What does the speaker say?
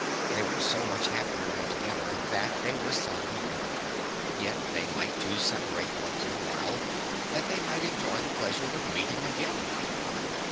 They were so much happier when together that they were seldom apart; yet they liked to separate, once in a while, that they might enjoy the pleasure of meeting again.